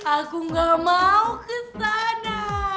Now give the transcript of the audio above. aku gak mau ke sana